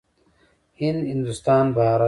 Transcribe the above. هند، هندوستان، بهارت.